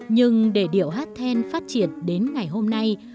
nhưng để điệu hát then phát triển đến ngày hôm nay